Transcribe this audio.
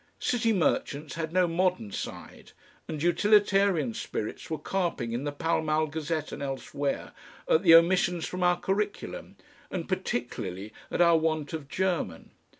City Merchants had no modern side, and utilitarian spirits were carping in the PALL MALL GAZETTE and elsewhere at the omissions from our curriculum, and particularly at our want of German.